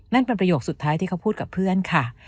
นั่นเป็นประโยคสุดท้ายที่เขาพูดกับเพื่อนค่ะ